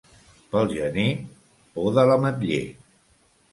Pel gener poda l'ametller.